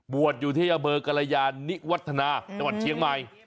อยู่ที่อำเภอกรยานิวัฒนาจังหวัดเชียงใหม่